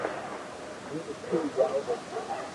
ھون اسڪول جاو